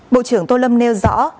bộ trưởng tô lâm nêu rõ